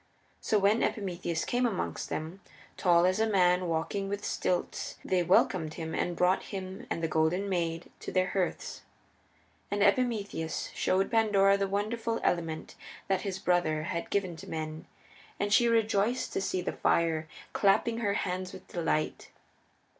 So when Epimetheus came amongst them, tall as a man walking with stilts, they welcomed him and brought him and the Golden Maid to their hearths. And Epimetheus showed Pandora the wonderful element that his brother had given to men, and she rejoiced to see the fire, clapping her hands with delight.